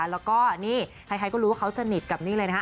แล้วก็นี่ใครก็รู้ว่าเขาสนิทกับนี่เลยนะฮะ